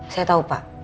saya tau pak